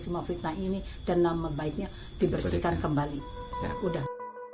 semua fitnah ini dan nama baiknya dibersihkan kembali udah